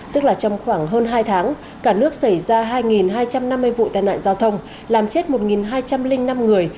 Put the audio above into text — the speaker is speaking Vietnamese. tức là trong khoảng hơn hai tháng cả nước xảy ra hai hai trăm năm mươi vụ tai nạn giao thông làm chết một hai trăm linh năm người